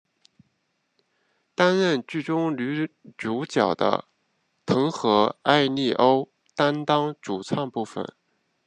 担任剧中女主角的藤和艾利欧担当主唱部分。